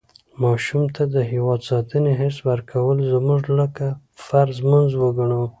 ماشوم ته د هېواد ساتنې حس ورکول مونږ لکه فرض لمونځ وګڼو.